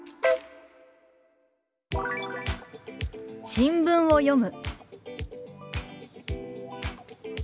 「新聞を読む」。